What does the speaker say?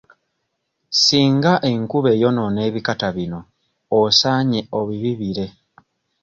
Singa enkuba eyonoona ebikata bino osaanye obibibire.